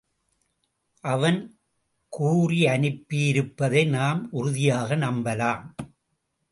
அவன் கூறியனுப்பியிருப்பதை நாம் உறுதியாக நம்பலாம்.